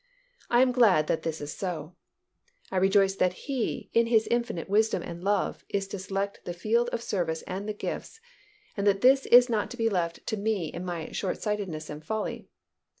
I am glad that this is so. I rejoice that He, in His infinite wisdom and love, is to select the field of service and the gifts, and that this is not to be left to me in my short sightedness and folly.